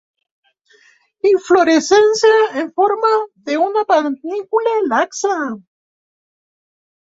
Inflorescencia en forma de una panícula laxa.